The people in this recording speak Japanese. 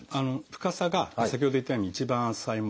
深さが先ほど言ったように一番浅いもの